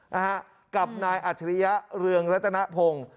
นะฮะกับนายอัจฉริยะเรืองรัตนพงศ์